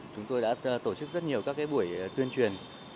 chúng tôi đã tổ chức rất nhiều các buổi tuyên truyền